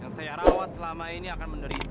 yang saya rawat selama ini akan menderita